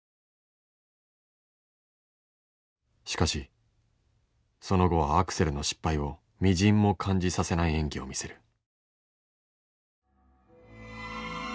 しかしその後はアクセルの失敗をみじんも感じさせない演技を見せる。